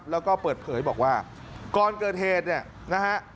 แล้วก็เปิดเผยบอกว่าก่อนเกิดเหตุเนี่ยนะฮะ